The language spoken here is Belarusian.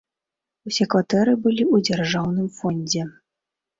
Усе кватэры былі ў дзяржаўным фондзе.